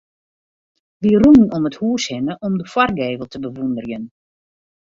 Wy rûnen om it hûs hinne om de foargevel te bewûnderjen.